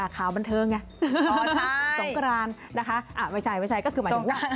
ข่าวบันเทิงสงครานไม่ใช่ก็คือหมายถึงวัน